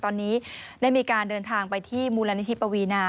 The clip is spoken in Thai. ตอนนี้ได้มีการเดินทางไปที่มูลนิธิปวีนา